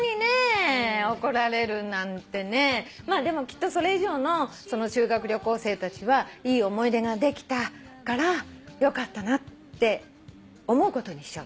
まあでもきっとそれ以上のその修学旅行生たちはいい思い出ができたからよかったなって思うことにしよう。